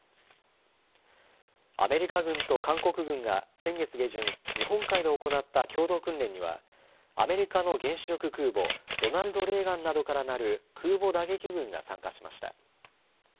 アメリカ軍と韓国軍が先月下旬、日本海で行った共同訓練にはアメリカの原子力空母ロナルド・レーガンなどからなる空母打撃群が参加しました。